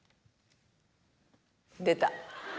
出た。